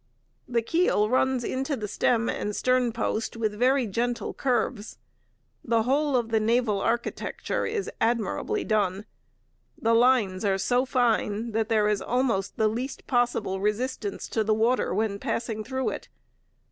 The keel runs into the stem and stern post with very gentle curves. The whole of the naval architecture is admirably done. The lines are so fine that there is almost the least possible resistance to the water when passing through it.